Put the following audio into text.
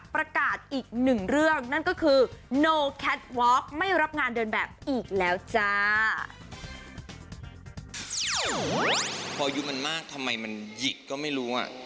อายุมันมากทำไมมันหยิกก็ไม่รู้อ่ะ